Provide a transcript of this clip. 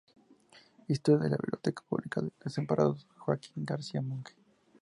Historia de la Biblioteca Pública de Desamparados Joaquín García Monge.